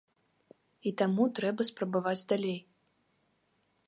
І таму трэба спрабаваць далей.